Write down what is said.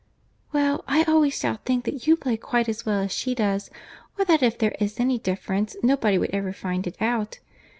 "Well, I always shall think that you play quite as well as she does, or that if there is any difference nobody would ever find it out.